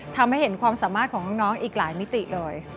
ทำให้เห็นความสามารถของน้องอีกหลายมิติเลย